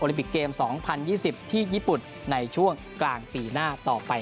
โอลิบิกเกมส์สองพันยี่สิบที่ญี่ปุ่นในช่วงกลางปีหน้าต่อไป